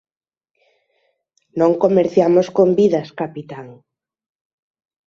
Non comerciamos con vidas, Capitán.